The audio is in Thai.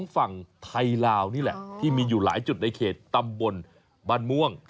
ฝั่งไทยลาวนี่แหละที่มีอยู่หลายจุดในเขตตำบลบ้านม่วง